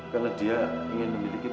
karena dia ingin memiliki putri